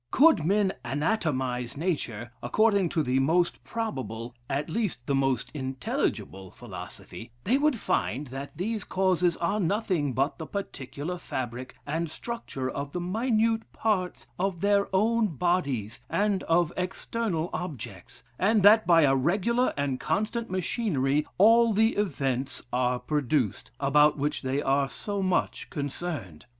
Could men anatomize nature, according to the most probable, at least the most intelligible philosophy, they would find that these causes are nothing but the particular fabric and structure of the minute parts of their own bodies and of external objects; and that by a regular and constant machinery, all the events are produced, about which they are so much concerned....